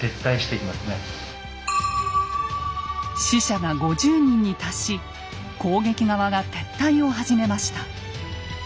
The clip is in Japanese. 死者が５０人に達し攻撃側が撤退を始めました。